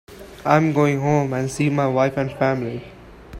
I'm going home and see my wife and family.